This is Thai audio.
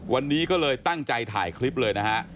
วันนี้ก็เลยตั้งใจถ่ายคลิปเลยนะฮะ